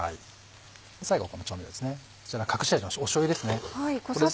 最後この調味料です隠し味のしょうゆです。